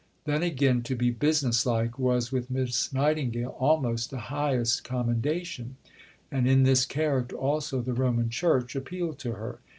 Then, again, to be "business like" was with Miss Nightingale almost the highest commendation; and in this character also the Roman Church appealed to her.